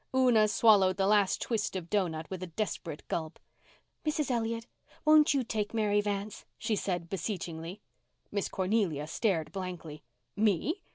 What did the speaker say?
Una swallowed the last twist of doughnut with a desperate gulp. "Mrs. Elliott, won't you take Mary Vance?" she said beseechingly. Miss Cornelia stared blankly. "Me!